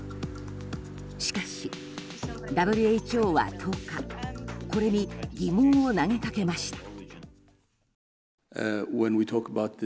しかし、ＷＨＯは１０日これに疑問を投げかけました。